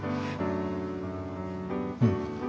うん。